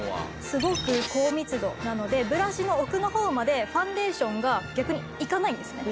すごく高密度なのでブラシの奥の方までファンデーションが逆にいかないんですね。